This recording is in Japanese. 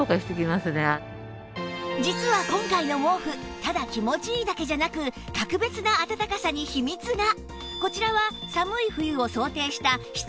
実は今回の毛布ただ気持ちいいだけじゃなく格別な暖かさに秘密が